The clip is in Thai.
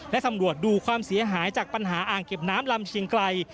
และสำรวจดูความเสียหายจากปัญหาอ่างเก็บน้ำลำเชียงไกล